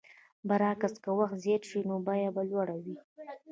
برعکس که وخت زیات شي نو بیه به لوړه وي.